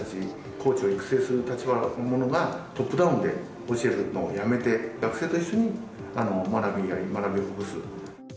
コーチを育成する立場の者が、トップダウンで教えるのをやめて、学生と一緒に学び合い、学びほぐす。